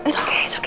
tante bantu deh